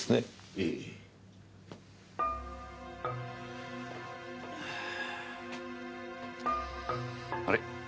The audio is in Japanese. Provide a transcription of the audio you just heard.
ええ。あれ？